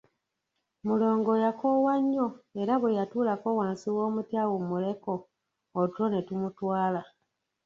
Mulongo yakoowa nnyo era bwe yatuulako wansi w'omuti awumuleko otulo ne tumutwala.